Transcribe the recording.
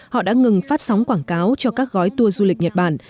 họ đã ngừng phát sóng quảng cáo cho các gói tour du lịch nhật bản